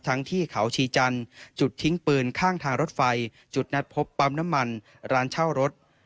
ที่เขาชีจันทร์จุดทิ้งปืนข้างทางรถไฟจุดนัดพบปั๊มน้ำมันร้านเช่ารถ